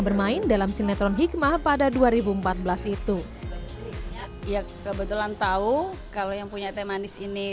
bermain dalam sinetron hikmah pada dua ribu empat belas itu ya kebetulan tahu kalau yang punya teh manis ini